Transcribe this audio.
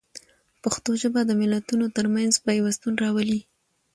پښتو ژبه د ملتونو ترمنځ پیوستون راولي.